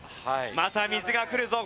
また水が来るぞ。